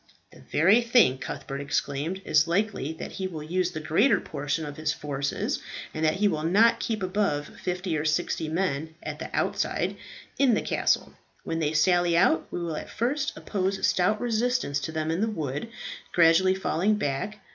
"The very thing," Cuthbert exclaimed. "It is likely that he will use the greater portion of his forces, and that he will not keep above fifty or sixty men, at the outside, in the castle. When they sally out we will at first oppose a stout resistance to them in the wood, gradually falling back.